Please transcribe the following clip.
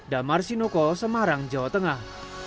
damar sinoko semarang jawa tengah